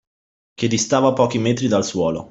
Che distava pochi metri dal suolo